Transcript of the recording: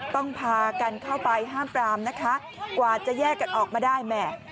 พากันเข้าไปห้ามปรามนะคะกว่าจะแยกกันออกมาได้แหม่